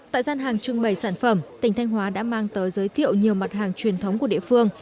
tại gian hàng trưng bày sản phẩm tỉnh thanh hóa đã mang tới giới thiệu nhiều mặt hàng truyền thống của địa phương